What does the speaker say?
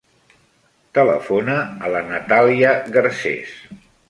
Telefona a la Natàlia Garces.